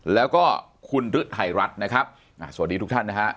แล้วก็คุณฤทัยรัฐนะครับสวัสดีทุกท่านนะฮะ